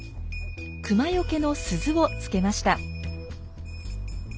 クマよけの鈴を付けました。